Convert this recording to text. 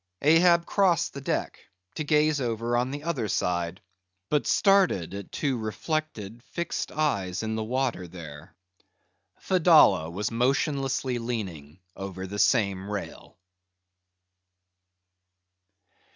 Ahab crossed the deck to gaze over on the other side; but started at two reflected, fixed eyes in the water there. Fedallah was motionlessly leaning over the same rail.